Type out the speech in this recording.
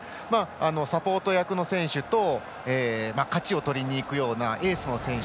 サポート役の選手と勝ちを取りにいくようなエースの選手。